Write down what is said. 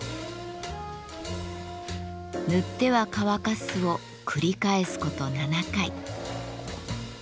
塗っては乾かすを繰り返すこと７回。